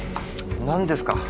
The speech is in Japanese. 何ですか？